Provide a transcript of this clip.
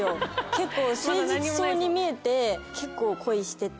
結構誠実そうに見えて結構恋してて。